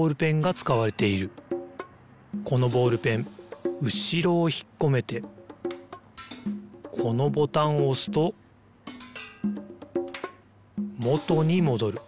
このボールペンうしろをひっこめてこのボタンをおすともとにもどる。